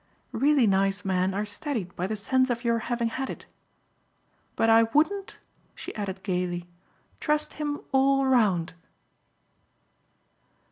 Really nice men are steadied by the sense of your having had it. But I wouldn't," she added gaily, "trust him all round!"